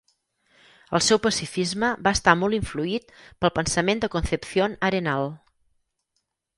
El seu pacifisme va estar molt influït pel pensament de Concepción Arenal.